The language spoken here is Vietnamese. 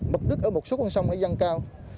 mực đức ở một số con sông nơi dân cao